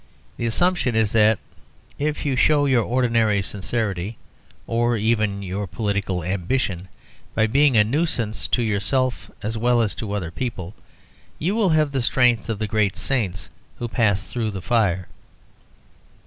The assumption is that if you show your ordinary sincerity (or even your political ambition) by being a nuisance to yourself as well as to other people, you will have the strength of the great saints who passed through the fire.